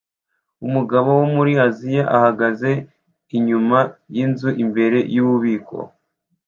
Umugabo wo muri Aziya ahagaze inyuma yinzu imbere yububiko